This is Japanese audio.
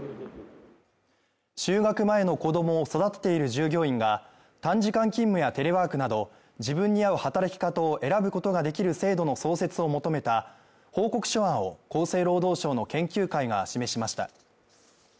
就学前の子供を育てている従業員が短時間勤務やテレワークなど、自分に合う働き方を選ぶことができる制度の創設を求めた報告書案を厚生労働省の研究会が示しました。